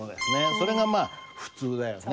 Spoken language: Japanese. それがまあ普通だよね。